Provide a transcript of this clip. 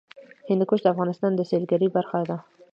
هندوکش د افغانستان د سیلګرۍ برخه ده.